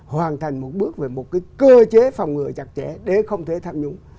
hoàn thành một bước về một cái cơ chế phòng ngừa chặt chẽ để không thể tham nhũng